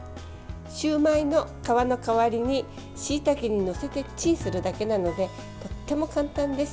シューマイの皮の代わりにしいたけに載せてチンするだけなのでとっても簡単です。